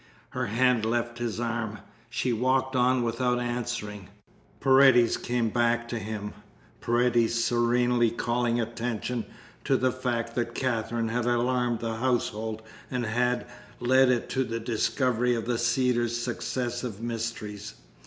Her hand left his arm. She walked on without answering. Paredes came back to him Paredes serenely calling attention to the fact that Katherine had alarmed the household and had led it to the discovery of the Cedars's successive mysteries.